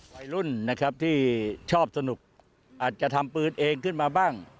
วัยรุ่นนะครับที่ชอบสนุกอาจจะทำปืนเองขึ้นมาบ้าง